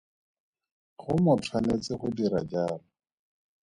Go mo tshwanetse go dira jalo.